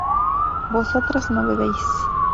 vosotras no bebéis